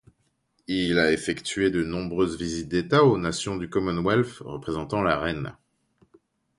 Il a effectué de nombreuses visites d'État aux nations du Commonwealth, représentant la reine.